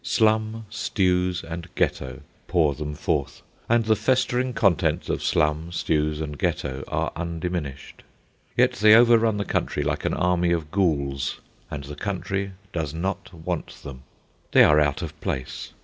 Slum, stews, and ghetto pour them forth, and the festering contents of slum, stews, and ghetto are undiminished. Yet they overrun the country like an army of ghouls, and the country does not want them. They are out of place.